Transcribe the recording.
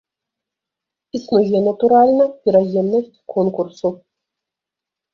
Існуе, натуральна, пераемнасць конкурсу.